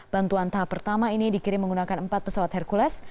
bantuan tahap pertama ini dikirim menggunakan empat pesawat hercules